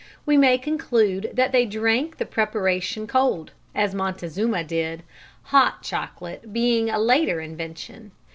We may conclude that they drank the preparation cold, as Montezuma did, hot chocolate being a later invention.